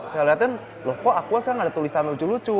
saya lihatin loh kok aku gak ada tulisan lucu lucu